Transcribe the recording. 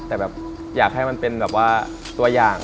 แต่แบบอยากให้มันเป็นแบบว่าตัวอย่าง